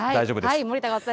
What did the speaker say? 森田さん。